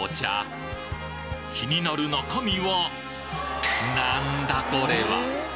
気になる中身はなんだこれは！？